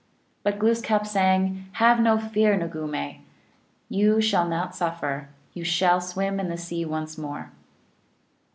But Glooskap sang : "Have no fear, noogumee, You shall not suffer, You shall swim in the sea once more."